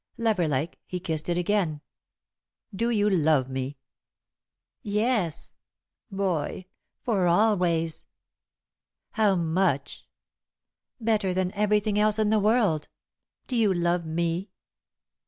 Lover like, he kissed it again. "Do you love me?" "Yes, Boy for always." "How much?" "Better than everything else in the world. Do you love me?"